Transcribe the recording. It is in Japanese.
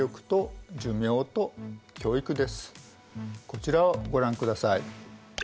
こちらをご覧ください。